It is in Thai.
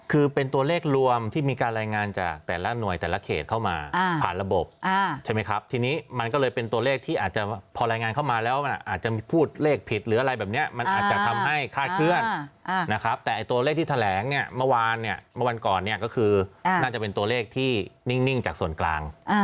คือเป็นตัวเลขรวมที่มีการรายงานจากแต่ละหน่วยแต่ละเขตเข้ามาผ่านระบบใช่ไหมครับทีนี้มันก็เลยเป็นตัวเลขที่อาจจะพอรายงานเข้ามาแล้วมันอาจจะพูดเลขผิดหรืออะไรแบบนี้มันอาจจะทำให้คาดเคลื่อนนะครับแต่ตัวเลขที่แถลงเนี่ยเมื่อวานเนี่ยเมื่อวันก่อนเนี่ยก็คือน่าจะเป็นตัวเลขที่นิ่งจากส่วนกลาง